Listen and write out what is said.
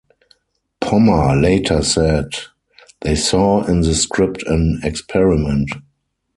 Pommer later said: They saw in the script an 'experiment'.